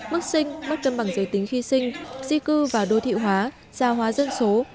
mức sinh mức cân bằng giới tính khi sinh di cư và đô thị hóa gia hóa dân số